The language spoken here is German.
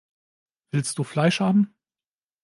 Willst du Fleisch haben?